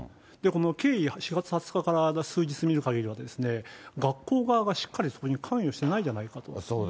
この経緯、４月２０日から数日見るかぎりは、学校側がしっかりそういう関与してないじゃないかと。